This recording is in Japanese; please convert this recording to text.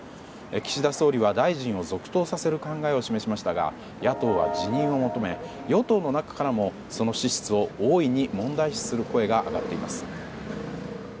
岸田総理は、大臣を続投させる考えを示しましたが与党の中からもその資質を大いに問題視する声が上がっています。